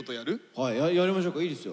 はいやりましょうかいいですよ。